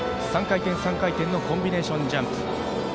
３回転、３回転のコンビネーションジャンプ。